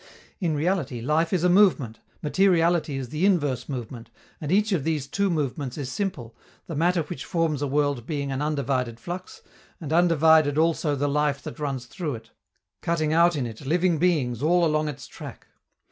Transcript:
In reality, life is a movement, materiality is the inverse movement, and each of these two movements is simple, the matter which forms a world being an undivided flux, and undivided also the life that runs through it, cutting out in it living beings all along its track.